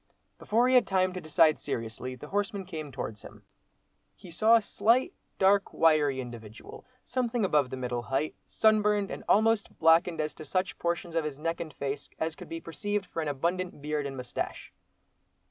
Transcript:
Before he had time to decide seriously, the horseman came towards him. He saw a slight, dark, wiry individual, something above the middle height, sunburned, and almost blackened as to such portions of his neck and face as could be perceived for an abundant beard and moustache.